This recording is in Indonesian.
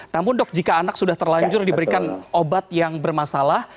namun dok jika anak sudah terlanjur diberikan obat yang bermasalah